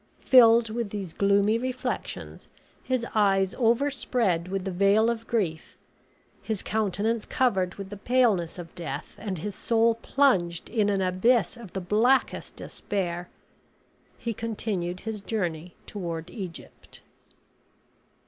Filled with these gloomy reflections, his eyes overspread with the veil of grief, his countenance covered with the paleness of death, and his soul plunged in an abyss of the blackest despair, he continued his journey toward Egypt.